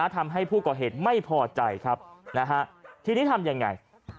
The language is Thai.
ทำให้ผู้ก่อเหตุไม่พอใจครับทีนี้ทำยังไง